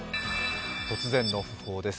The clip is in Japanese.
突然の訃報です。